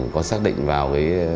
có xác định vào